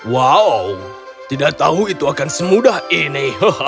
wow tidak tahu itu akan semudah ini